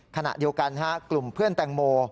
ขณะเดียวกันกลุ่มเพื่อนแตงโม